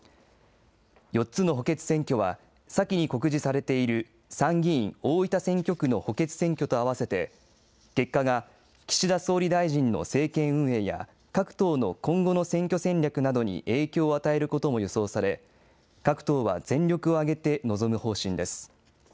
４つの補欠選挙は、先に告示されている参議院大分選挙区の補欠選挙とあわせて、結果が岸田総理大臣の政権運営や各党の今後の選挙戦略などに影響を与えることも予想され、各党は全力を挙げて臨む方針です。